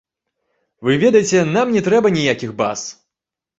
Вы ведаеце, нам не трэба ніякіх баз.